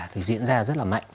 thì diễn ra rất là mạnh